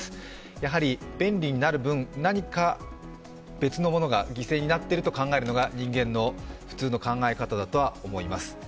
やはり便利になる分、何かが犠牲になっていると考えるのが人間の普通の考え方だとは思います。